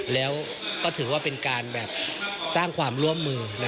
แล้วเป็นการสร้างความร่วมมือ